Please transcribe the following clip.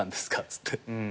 っつって。